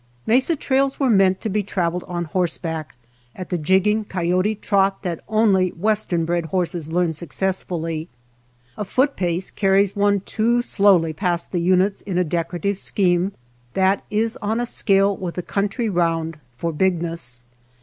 Mesa trails were meant to be traveled /on horseback, at the jigging coyote trot ( that only western bred horses learn suc ' cessfully. A foot pace carries one too slowly past the units in a decorative scheme that is on a scale with the country round for bigness.